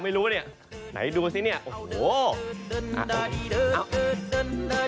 ไม่รู้เนี่ยไหนดูสิเนี่ยโอ้โห